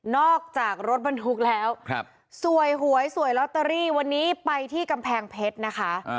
จากรถบรรทุกแล้วสวยหวยสวยลอตเตอรี่วันนี้ไปที่กำแพงเพชรนะคะ